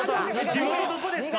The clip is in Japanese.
地元どこですか？